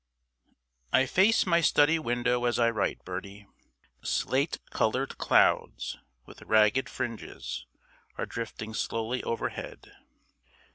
I face my study window as I write, Bertie. Slate coloured clouds with ragged fringes are drifting slowly overhead.